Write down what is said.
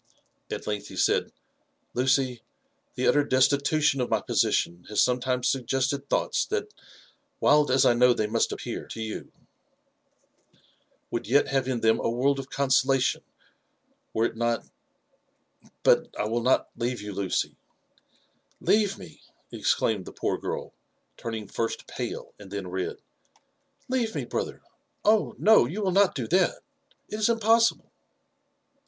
At length he said, " Lucy, the utter destitution of my position has sometimes suggested thoughts that, wild as I know they must appear to youi would yet have in them a world of consolation, were it not r — But I will not leave you, Lucy —•'"" Leave me 1" exclaimed the poor girl, turning first pale« and then red, — ''leave me, brother 1 — Oh! no, you wiU not do thai* it is im possible!"